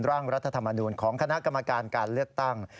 ร่างรัฐธรรมนูลของคณะกรรมการการเลือกตั้ง